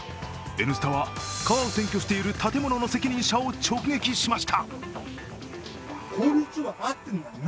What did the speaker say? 「Ｎスタ」は川を占拠している建物の責任者を直撃しました。